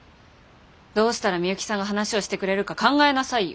どうしたら美幸さんが話をしてくれるか考えなさいよ。